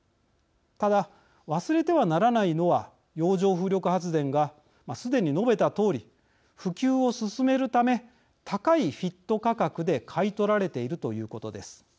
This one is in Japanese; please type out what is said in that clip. ただ、忘れてはならないのは洋上風力発電がすでに述べたとおり普及を進めるため高いＦＩＴ価格で買い取られているということです。